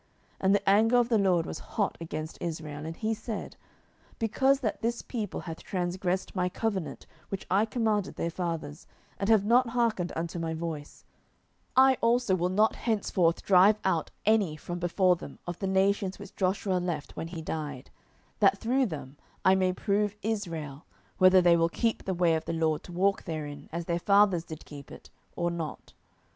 07:002:020 And the anger of the LORD was hot against Israel; and he said, Because that this people hath transgressed my covenant which I commanded their fathers, and have not hearkened unto my voice; 07:002:021 I also will not henceforth drive out any from before them of the nations which Joshua left when he died: 07:002:022 That through them I may prove Israel, whether they will keep the way of the LORD to walk therein, as their fathers did keep it, or not.